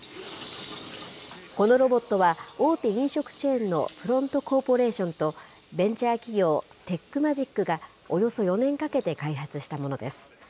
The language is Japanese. このロボットは、大手飲食チェーンのプロントコーポレーションと、ベンチャー企業、ＴｅｃｈＭａｇｉｃが、およそ４年かけて開発したものです。